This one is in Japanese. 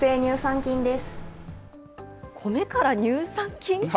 コメから乳酸菌？